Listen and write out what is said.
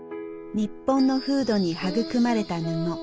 にっぽんの風土に育まれた布。